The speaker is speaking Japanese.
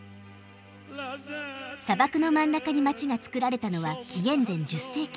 砂漠の真ん中に街がつくられたのは紀元前１０世紀。